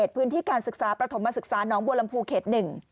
อาทิตย์บินที่การศึกษาประถมมาศึกษาน้องบวล่ำภูเขต๑